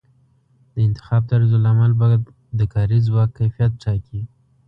د انتخاب طرزالعمل به د کاري ځواک کیفیت ټاکي.